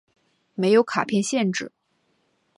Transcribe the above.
没有卡片限制。